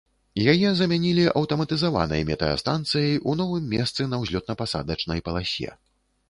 Яе замянілі аўтаматызаванай метэастанцыяй у новым месцы на ўзлётна-пасадачнай паласе.